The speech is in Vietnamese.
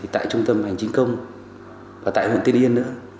tại trung tâm hành chính công và tại huyện tiên yên nữa